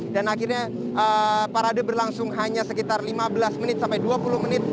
dan akhirnya parade berlangsung hanya sekitar lima belas menit sampai dua puluh menit